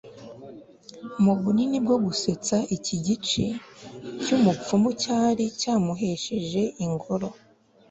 nubunini bwo gusetsa iki gice cyubupfumu cyari cyamuhesheje ingoro